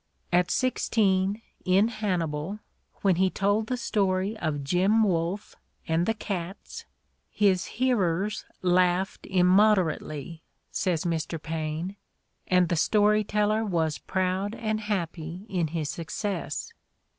At sixteen, in Hannibal, when he told the story of Jim Wolfe and the cats, "his hearers laughed immod erately," says Mr. Paine, "and the story teller was proud and happy in his success."